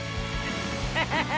ッハハハ！！